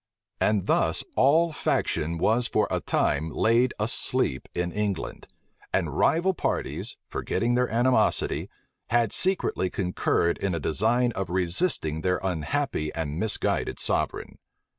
And thus all faction was for a time laid asleep in England; and rival parties, forgetting their animosity, had secretly concurred in a design of resisting their unhappy and misguided sovereign.